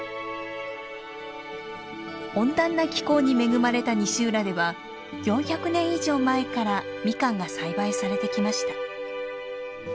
温暖な気候に恵まれた西浦では４００年以上前からミカンが栽培されてきました。